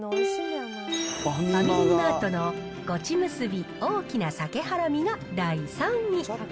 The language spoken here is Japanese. ファミリーマートのごちむすび大きな鮭はらみが第３位。